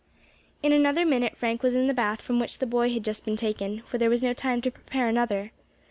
In another minute Frank was in the bath from which the boy had just been taken, for there was no time to prepare another.